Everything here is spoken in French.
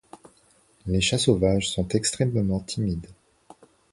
Les chats sauvages sont extrêmement timides.